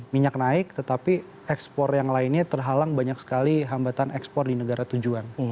minyak naik tetapi ekspor yang lainnya terhalang banyak sekali hambatan ekspor di negara tujuan